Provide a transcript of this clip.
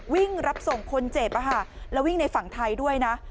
วิ่งรับส่งคนเจ็บแล้ววิ่งในฝั่งไทยด้วยนะ